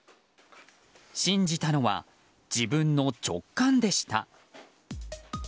信じたのは自分の直感でした。